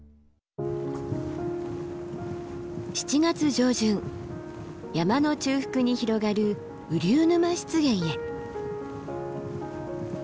７月上旬山の中腹に広がる雨竜沼湿原へ。